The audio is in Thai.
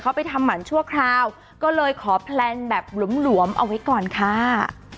เขาไปทำหมันชั่วคราวก็เลยขอแพลนแบบหลวมหลวมเอาไว้ก่อนค่ะ